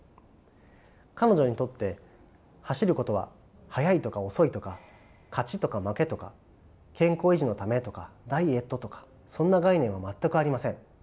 彼女にとって走ることは速いとか遅いとか勝ちとか負けとか健康維持のためとかダイエットとかそんな概念は全くありません。